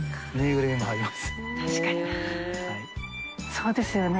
そうですよね。